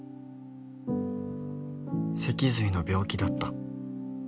脊髄の病気だった。